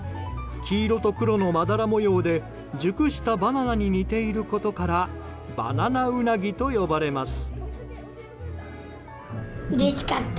黄色と黒のまだら模様で熟したバナナに似ていることからバナナウナギと呼ばれます。